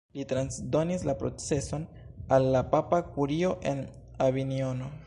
Li transdonis la proceson al la papa kurio en Avinjono.